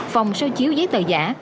phòng sôi chiếu giấy tờ giả